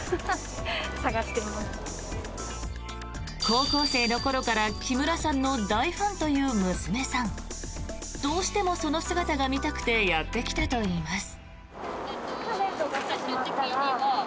高校生の頃から木村さんの大ファンという娘さん。どうしてもその姿が見たくてやってきたといいます。